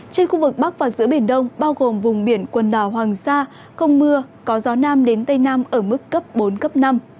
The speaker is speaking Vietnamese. trên khu vực bắc và giữa biển đông bao gồm vùng biển quần đảo hoàng sa không mưa có gió nam đến tây nam ở mức cấp bốn cấp năm